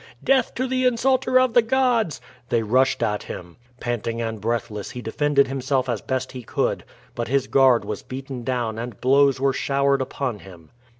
"Death to the insulter of the gods!" they rushed at him. Panting and breathless he defended himself as best he could. But his guard was beaten down and blows were showered upon him.